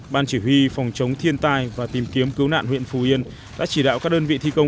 ban chỉ huy phòng chống thiên tai và tìm kiếm cứu nạn huyện phù yên đã chỉ đạo các đơn vị thi công